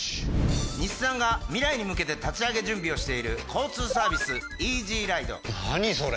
日産が未来に向けて立ち上げ準備をしている交通サービス何それ？